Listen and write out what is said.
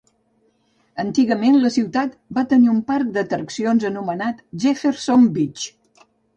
Antigament, la ciutat va tenir un parc d'atraccions anomenat Jefferson Beach.